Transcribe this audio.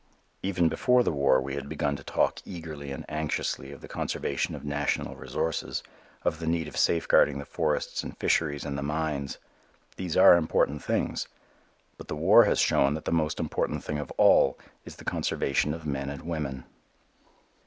Even before the war we had begun to talk eagerly and anxiously of the conservation of national resources, of the need of safeguarding the forests and fisheries and the mines. These are important things. But the war has shown that the most important thing of all is the conservation of men and women.